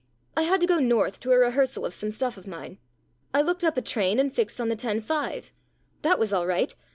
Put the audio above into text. " I had to go North to a rehearsal of some stuff of mine. I looked up a train, and fixed on the 10.5. That was all right.